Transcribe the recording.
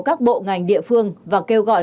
các bộ ngành địa phương và kêu gọi